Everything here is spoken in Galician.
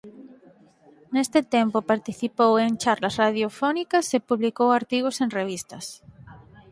Neste tempo participou en charlas radiofónicas e publicou artigos en revistas.